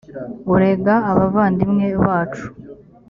urega abavandimwe bacu